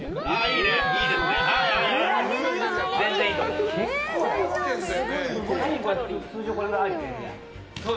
いいね、全然いいと思う。